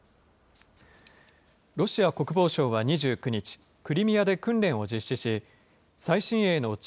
ロシア国防省は２９日、クリミアで訓練を実施し、最新鋭の地